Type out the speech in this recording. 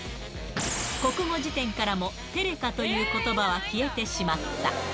国語辞典からも、テレカということばは消えてしまった。